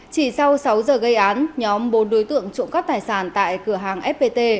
chỉ sau sáu giờ gây án nhóm bốn đối tượng trộm cắp tài sản tại cửa hàng fpt